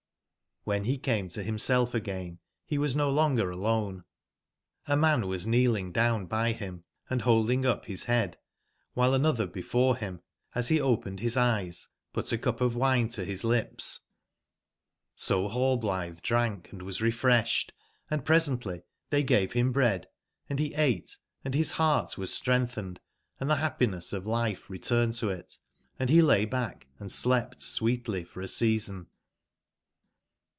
^RBJV be came to bimself again be was no longer alone: a man was kneeling down by 3 bim and boldingup bis bead, wbileanotber before bim, as be opened bis eyes, put a cup of wine to bis lips. So Rallblitbe drank and was refresbed; and presently tbey gave bim bread, and be ate, & bis beart was strengtbened, and tbe bappiness of life returned to it, and be lay back, and slept sweetly for a season.